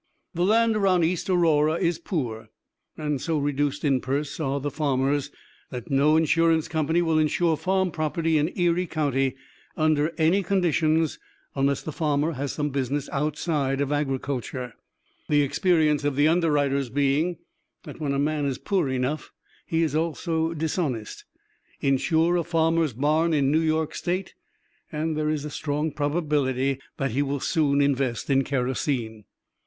The land around East Aurora is poor, and so reduced in purse are the farmers that no insurance company will insure farm property in Erie County under any conditions unless the farmer has some business outside of agriculture the experience of the underwriters being that when a man is poor enough, he is also dishonest; insure a farmer's barn in New York State, and there is a strong probability that he will soon invest in kerosene.